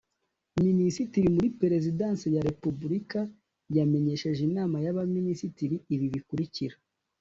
a) Minisitiri muri Perezidansi ya Repubulika yamenyesheje Inama y’Abaminisitiri ibi bikurikira